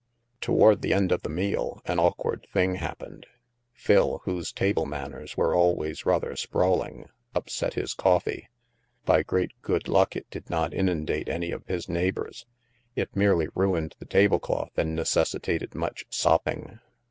Toward the end of the meal, an awkward thing happened. Phil, whose table manners were always rather sprawling, upset his coffee. By great good luck it did not inimdate any of his neighbors; it merely ruined the tablecloth and necessitated much sopping.